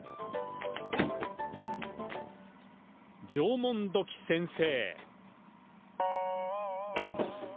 「縄文土器先生」。